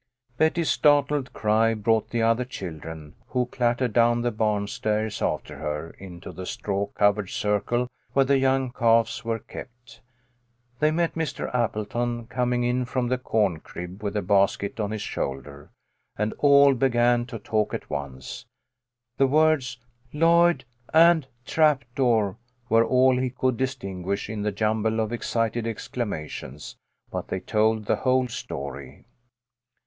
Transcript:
Betty's startled cry brought the other children, who clattered down the barn stairs after her, into the straw covered circle where the young calves were kept. They met Mr. Appleton, coming in from the corn crib with a basket on his shoulder, and all began to talk at once. The words " Lloyd " and " trap door " were all he could distinguish in the jum ble of excited exclamations, but they told the whole story.